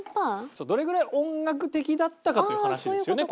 どれぐらい音楽的だったかっていう話ですよね？